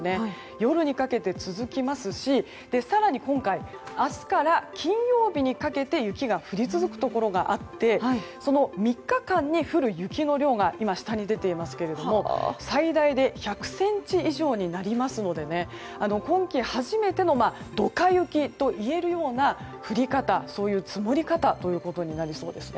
夜にかけて続きますし更に今回明日から金曜日にかけて雪が降り続くところがあって３日間に降る雪の量が最大で１００ｃｍ以上になりますので今季初めてのドカ雪といえるような降り方、積もり方ということになりそうですね。